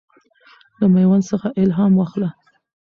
له میوند څخه الهام واخله.